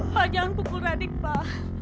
pak jangan pukul radhi pak